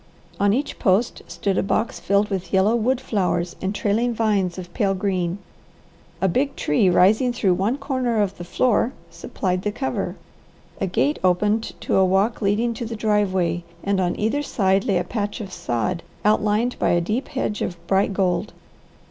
On each post stood a box filled with yellow wood flowers and trailing vines of pale green. A big tree rising through one corner of the floor supplied the cover. A gate opened to a walk leading to the driveway, and on either side lay a patch of sod, outlined by a deep hedge of bright gold.